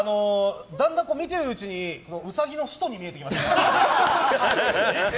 だんだん見てるうちにウサギの使徒に見えてきました。